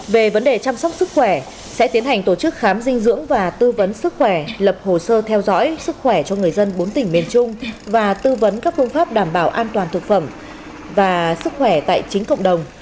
về vấn đề chăm sóc sức khỏe sẽ tiến hành tổ chức khám dinh dưỡng và tư vấn sức khỏe lập hồ sơ theo dõi sức khỏe cho người dân bốn tỉnh miền trung và tư vấn các phương pháp đảm bảo an toàn thực phẩm và sức khỏe tại chính cộng đồng